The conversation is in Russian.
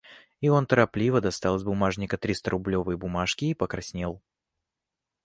И он торопливо достал из бумажника три сторублевые бумажки и покраснел.